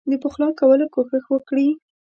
د پخلا کولو کوښښ وکړي.